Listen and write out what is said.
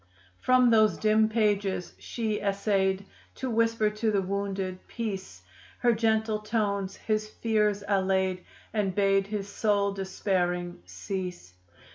From those dim pages she essayed To whisper to the wounded, "Peace!" Her gentle tones his fears allayed And bade his soul despairing cease.